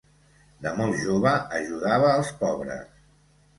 De molt jove ajudava als pobres.